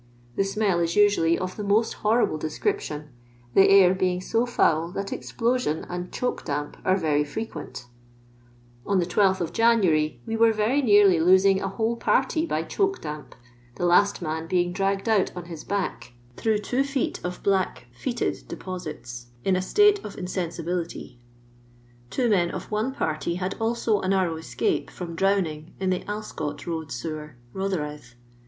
The smell is usually of Uie most horrible description, the air being so foul that explosion and choke damp are Tory frequent On the 12th January we were very nearly losing a whole party by choke damp, the fast man being dragged out on his back (through two feet of bbuk foetid deposito) in a state of insensibility. .... Two men of one party had also a narrow escape from drowning in the Alscot road sewer, Rotherhithe.